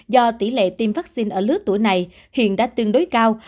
do tỷ lệ tiêm vaccine ở lứa tuổi này hiện đã tương đối cao